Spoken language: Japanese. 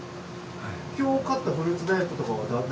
今日買ったフルーツ大福とかは？